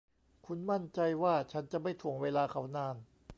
คุณมั่นใจว่าฉันจะไม่ถ่วงเวลาเขานาน